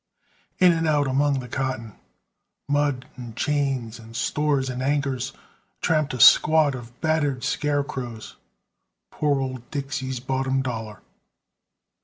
"In and out among the cotton, Mud, and chains, and stores, and anchors, Tramped a squad of battered scarecrows Poor old Dixie's bottom dollar!